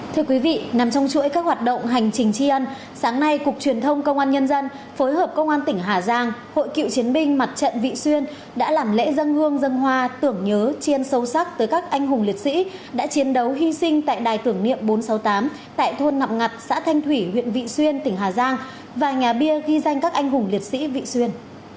thưa quý vị nằm trong chuỗi các hoạt động hành trình tri ân sáng nay cục truyền thông công an nhân dân phối hợp công an tỉnh hà giang hội cựu chiến binh mặt trận vị xuyên đã làm lễ dâng hương dâng hoa tưởng nhớ chiên sâu sắc tới các anh hùng liệt sĩ đã chiến đấu hy sinh tại đài tưởng niệm bốn trăm sáu mươi tám tại thôn ngọc ngặt xã thanh thủy huyện vị xuyên tỉnh hà giang và nhà bia ghi danh các anh hùng liệt sĩ vị xuyên